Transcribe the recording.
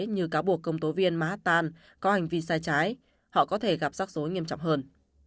như cáo buộc công tố viên mahatan có hành vi sai trái họ có thể gặp rắc rối nghiêm trọng hơn